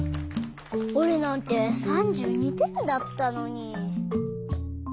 おれなんて３２てんだったのに。